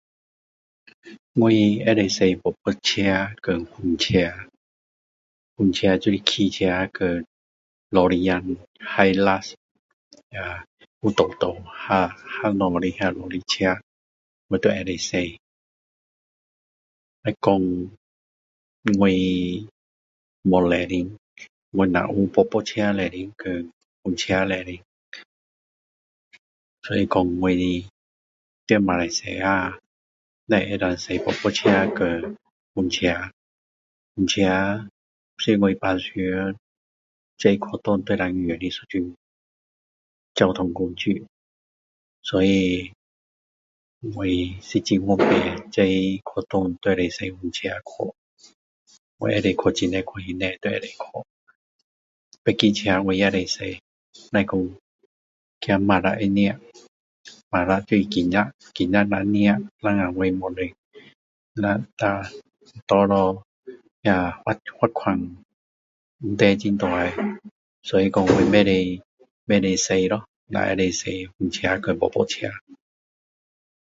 我可以开波波车和风车风车就是汽车和罗里车Hilux那 有斗斗载东西的罗里车我都可以开只是说我没执照我只有波波车执照和风车执照所以说我的在马来西亚只能够开波波车和风车风车是我平时不管去哪里都可以用的一种交通工具所以我是很方便随便去那里都可以开风车去我可以去这里去那里都可以去其它车我都可以开只是说怕马辣会抓马辣就是警察警察若抓那拿到罚款问题很大所以说我不可以开咯只可以开风车和波波车